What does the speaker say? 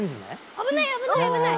危ない危ない危ない！